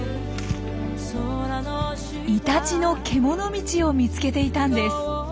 イタチのけもの道を見つけていたんです。